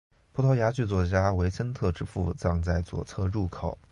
葡萄牙剧作家维森特之父葬在左侧入口。